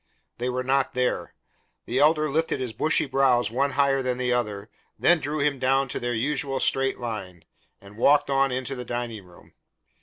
They were not there. The Elder lifted his bushy brows one higher than the other, then drew them down to their usual straight line, and walked on into the dining room.